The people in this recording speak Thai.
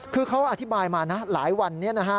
คือเขาอธิบายมานะหลายวันนี้นะฮะ